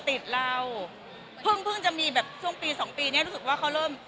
ติดเราเพิ่งเพิ่งจะมีแบบช่วงปีสองปีเนี้ยรู้สึกว่าเขาเริ่ม